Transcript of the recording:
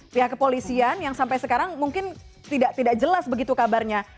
mbak lutfi ada yang yang terangkan yang sampai sekarang mungkin tidak tidak jelas begitu kabarnya